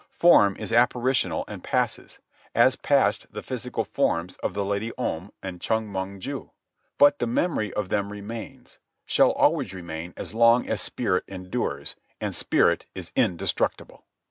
Form is apparitional and passes, as passed the physical forms of the Lady Om and Chong Mong ju. But the memory of them remains, shall always remain as long as spirit endures, and spirit is indestructible.